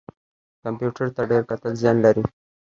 کمپیوټر ته ډیر کتل زیان لري